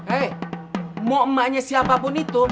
eh mau emaknya siapapun itu